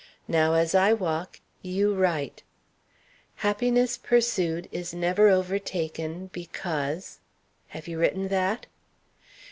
Now, as I walk, you write. 'Happiness pursued is never overtaken, because' have you written that?